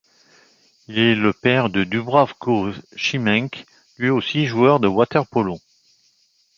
Il est le père de Dubravko Šimenc, lui aussi joueur de water-polo.